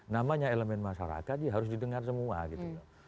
namanya elemen masyarakat ya harus didengar semua gitu loh